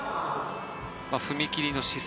踏み切りの姿勢